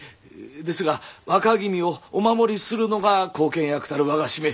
ですが若君をお守りするのが後見役たる我が使命。